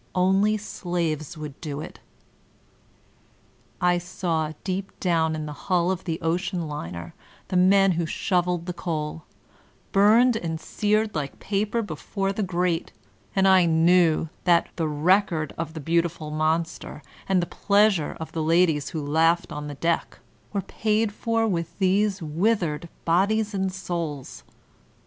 Only slaves would do it I saw deep down in the hull of the ocean liner the men who shoveled the coal — burned and seared like paper be fore the grate; and I knew that ''the record" of the beautiful monster, and the pleasure of the ladies who laughed on the deck, were paid for with these withered bodies and souls.